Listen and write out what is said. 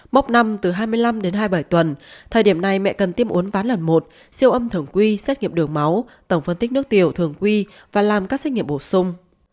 mốc năm từ hai mươi năm đến hai mươi bảy tuần thời điểm này mẹ cần tiêm uốn ván lần một siêu âm thường quy xét nghiệm đường máu tổng phân tích nước tiểu thường quy và làm các xét nghiệm bổ sung